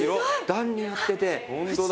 段になってて。